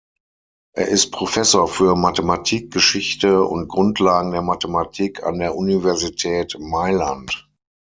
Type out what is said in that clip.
Er ist Professor für Mathematikgeschichte und Grundlagen der Mathematik an der Universität Mailand.